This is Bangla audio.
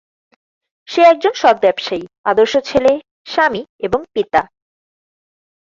সে একজন সৎ ব্যবসায়ী, আদর্শ ছেলে, স্বামী এবং পিতা।